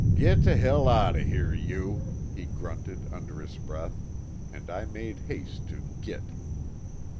"Git t' hell out o' here, you," he grunted, under his breath. And I made haste to "git."